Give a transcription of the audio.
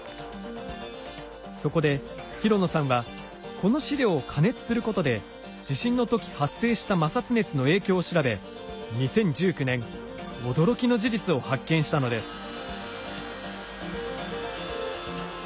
そこで廣野さんはこの試料を加熱することで地震の時発生した摩擦熱の影響を調べ２０１９年驚きの事実を発見したのです。